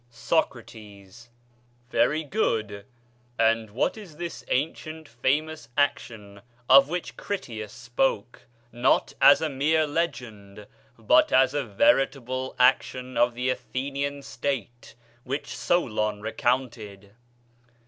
Socrates. Very good; and what is this ancient famous action of which Critias spoke, not as a mere legend, but as a veritable action of the Athenian State, which Solon recounted!